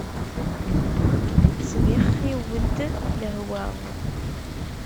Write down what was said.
Tesbixxiw-d lehwa.